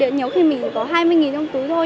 nhiều khi mình có hai mươi trong túi thôi